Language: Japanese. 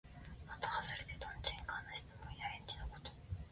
まとはずれで、とんちんかんな質問や返事のこと。